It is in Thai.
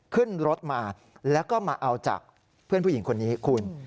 ขึ้นรถมาแล้วก็มาเอาจากเพื่อนผู้หญิงคนนี้คุณ